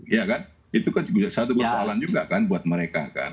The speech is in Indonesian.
ya kan itu kan juga satu persoalan juga kan buat mereka kan